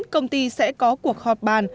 công ty sẽ có cuộc họp bàn